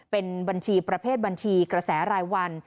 เป็นบัญชีประเภทบัญชีกระแสรายวัน